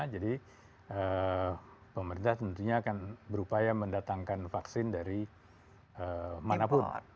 jadi pemerintah tentunya akan berupaya mendatangkan vaksin dari manapun